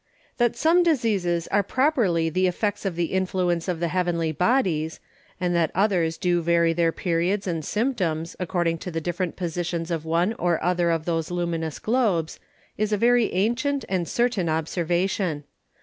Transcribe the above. That some Diseases are properly the Effects of the Influence of the Heavenly Bodies, and that others do vary their Periods and Symptoms according to the different Positions of one or other of those Luminous Globes, is a very ancient and certain Observation.